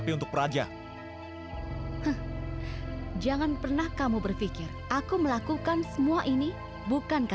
his itu juga buruk